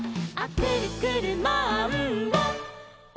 「くるくるマンボウ！」